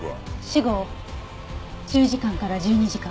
死後１０時間から１２時間。